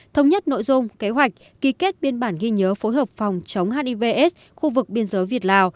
thống nhất nội dung kế hoạch ký kết biên bản ghi nhớ phối hợp phòng chống hiv aids khu vực biên giới việt lào